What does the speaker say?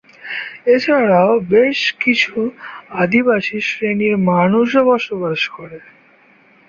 এছাড়াও এখানে বেশ কিছু আদিবাসী শ্রেণীর মানুষও বসবাস করে।